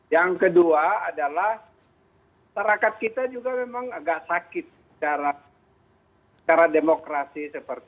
yang kedua adalah masyarakat kita juga memang agak sakit secara demokrasi